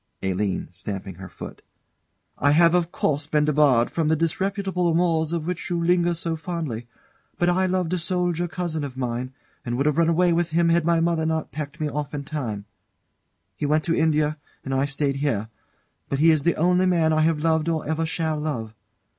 ALINE. [Stamping her foot.] I have, of course, been debarred from the disreputable amours on which you linger so fondly; but I loved a soldier cousin of mine, and would have run away with him had my mother not packed me off in time. He went to India, and I stayed here; but he is the only man I have loved or ever shall love.